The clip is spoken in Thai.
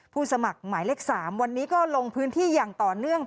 สมัครหมายเลข๓วันนี้ก็ลงพื้นที่อย่างต่อเนื่อง